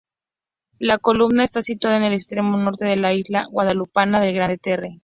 La comuna está situada en el extremo norte de la isla guadalupana de Grande-Terre.